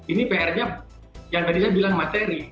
ini prnya yang tadi saya bilang materi